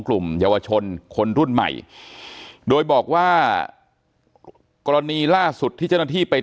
กลุ่มเยาวชนคนรุ่นใหม่โดยบอกว่ากรณีล่าสุดที่เจ้าหน้าที่ไป